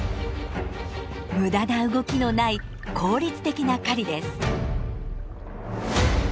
無駄な動きのない効率的な狩りです。